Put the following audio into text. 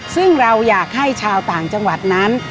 ซึ่งเราอยากให้ชาวต่างจังหวัดนั้น